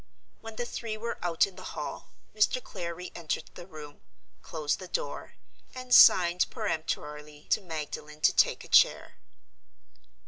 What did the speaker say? When the three were out in the hall, Mr. Clare re entered the room, closed the door, and signed peremptorily to Magdalen to take a chair.